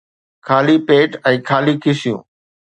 خالي پيٽ ۽ خالي کيسيون